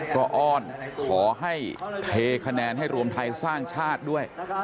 ก็อ้อนขอให้เทคะแนนให้รวมไทยสร้างชาติด้วย